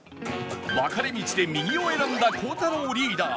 分かれ道で右を選んだ孝太郎リーダー